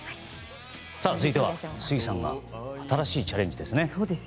続いては杉さんが新しいチャレンジです。